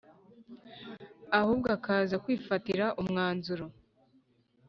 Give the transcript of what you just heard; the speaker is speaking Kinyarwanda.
ahubwo akaza kwifatira umwanzuro”